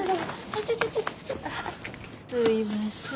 すいませんね。